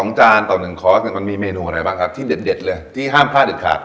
ใน๑๒จานต่อ๑คอร์สมันมีเมนูอะไรบ้างครับที่เด็ดเลยที่ห้ามพลาดอีกขาด